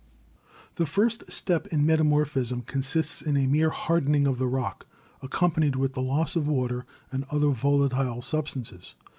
"The first step in metamorphism consists in a mere hard ening of the rock, accompanied with the loss of water and other volatile substances.